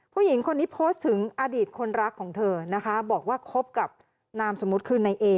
ผู้หญิงคนนี้โพสต์ถึงอดีตคนรักของเธอนะคะบอกว่าคบกับนามสมมุติคือในเอ